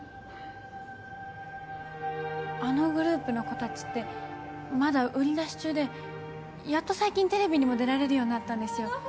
あのグループの子達ってまだ売り出し中でやっと最近テレビにも出られるようになったんですよ